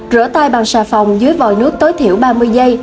rửa tay bằng xà phòng dưới vòi nước tối thiểu ba mươi giây